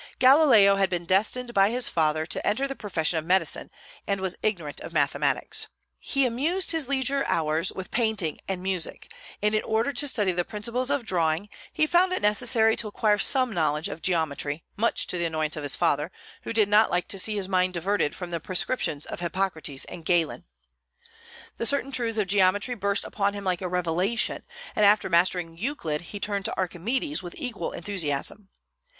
Galileo had been destined by his father to the profession of medicine, and was ignorant of mathematics. He amused his leisure hours with painting and music, and in order to study the principles of drawing he found it necessary to acquire some knowledge of geometry, much to the annoyance of his father, who did not like to see his mind diverted from the prescriptions of Hippocrates and Galen. The certain truths of geometry burst upon him like a revelation, and after mastering Euclid he turned to Archimedes with equal enthusiasm.